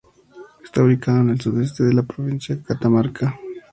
Está ubicado en el sudeste de la provincia de Catamarca.